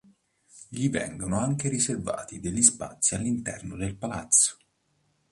Gli vengono anche riservati degli spazi all'interno del palazzo.